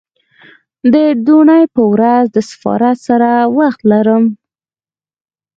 د دونۍ په ورځ د سفارت سره وخت لرم